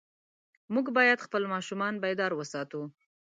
موږ باید خپل ماشومان بیدار وساتو.